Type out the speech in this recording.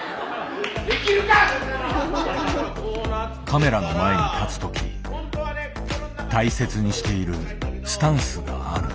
カメラの前に立つ時大切にしているスタンスがある。